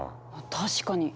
確かに！